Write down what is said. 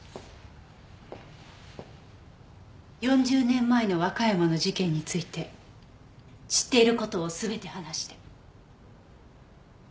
４０年前の和歌山の事件について知っている事を全て話して。